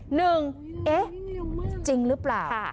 หนึ่งเอ๊ะจริงหรือเปล่า